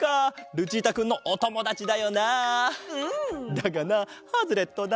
だがなハズレットだ。